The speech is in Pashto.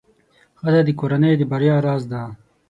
ښځه د کورنۍ د بریا راز ده.